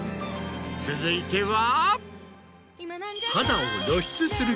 続いては。